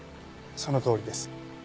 そのとおりです。